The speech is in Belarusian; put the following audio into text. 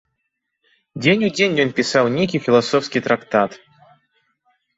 Дзень у дзень ён пісаў нейкі філасофскі трактат.